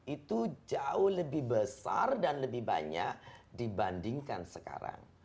itu jauh lebih besar dan lebih banyak dibandingkan sekarang